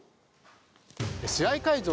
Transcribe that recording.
試合会場